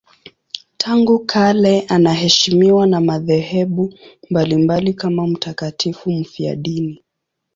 Tangu kale anaheshimiwa na madhehebu mbalimbali kama mtakatifu mfiadini.